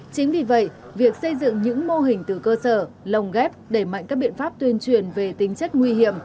chính vì vậy việc xây dựng những mô hình từ cơ sở lồng ghép đẩy mạnh các biện pháp tuyên truyền về tính chất nguy hiểm